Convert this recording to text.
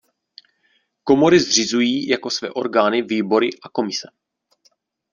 Komory zřizují jako své orgány výbory a komise.